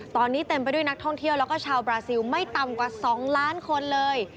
ตอนนี้เต็มไปด้วยนักท่องเที่ยวแล้วก็ชาวบราซิลไม่ต่ำกว่า๒ล้านคนเลย